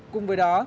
cùng với đó